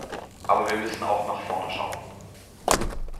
Aber wir müssen auch nach vorne schauen.